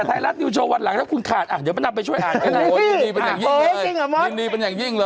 แต่ไทยรัฐนิวโชวันหลังแล้วคุณขาดอะเดี๋ยวแม่นับไปช่วยอ่าน